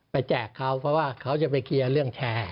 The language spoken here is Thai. แจกเขาเพราะว่าเขาจะไปเคลียร์เรื่องแชร์